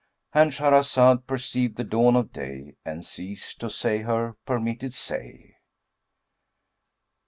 "—And Shahrazad perceived the dawn of day and ceased to say her permitted say.